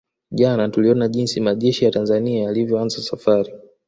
Jana tuliona jinsi majeshi ya Tanzania yalivyoanza safari